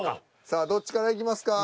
さあどっちからいきますか？